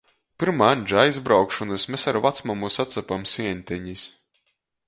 Pyrma Aņža aizbraukšonys mes ar vacmamu sacapam sieņtenis.